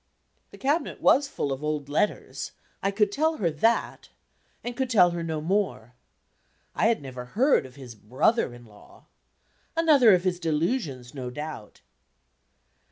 The cabinet was full of old letters. I could tell her that and could tell her no more. I had never heard of his brother in law. Another of his delusions, no doubt.